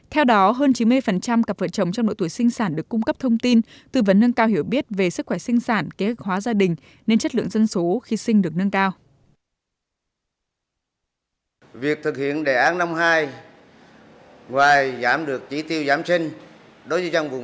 theo đó hơn chín mươi cặp vợ chồng trong độ tuổi sinh sản được cung cấp thông tin tư vấn nâng cao hiểu biết về sức khỏe sinh sản kế hoạch hóa gia đình nên chất lượng dân số khi sinh được nâng cao